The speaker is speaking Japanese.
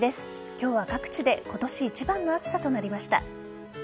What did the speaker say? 今日は各地で今年一番の暑さとなりました。